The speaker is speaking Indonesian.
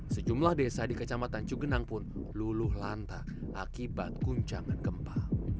sejumlah desa di kecamatan cigenang pun luluh lantah akibat kuncangan gempa